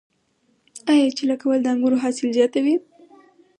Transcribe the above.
آیا چیله کول د انګورو حاصل زیاتوي؟